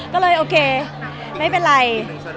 ก็เลยโอเคไม่เป็นไร